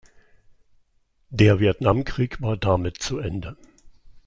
Der Vietnamkrieg war damit zu Ende.